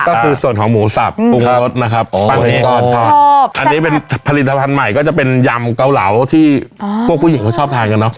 อ่ะเดี๋ยวเรานึกตอนเจอกับวิกฤตโควิดหน่อยไปกันนะครับ